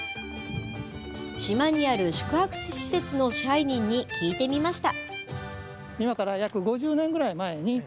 島にある宿泊施設の支配人に聞いてみました。